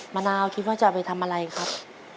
มะนาวคิดว่าจะไปทำอะไรครับ